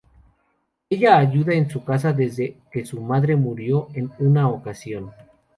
Ella ayuda en su casa desde que su madre murió en una ocasión.